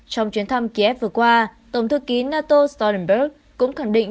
trong chuyến thăm kiev vừa qua tổng thư ký nato stolenberg cũng khẳng định